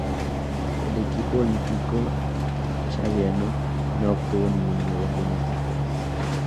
El equipo olímpico chadiano no obtuvo ninguna medalla en estos Juegos.